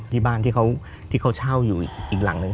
ที่บ้านที่เขาเช่าอยู่อีกหลังหนึ่ง